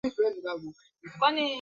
Samahani, sikusikiliza.